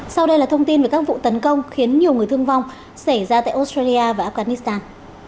sau đây là thông tin về các vụ tấn công khiến nhiều người thương vong xảy ra tại australia và afghanistan